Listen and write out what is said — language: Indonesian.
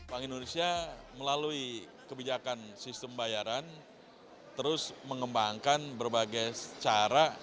bank indonesia melalui kebijakan sistem bayaran terus mengembangkan berbagai cara